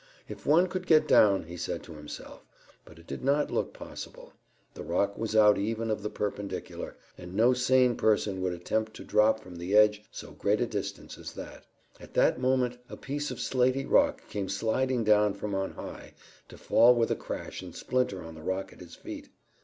"If one could get down," he said to himself; but it did not look possible; the rock was out even of the perpendicular, and no sane person would attempt to drop from the edge so great a distance as that. At that moment a piece of slaty rock came sliding down from on high, to fall with a crash and splinter on the rock at his feet.